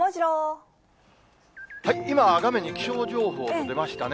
今、画面に気象情報と出ましたね。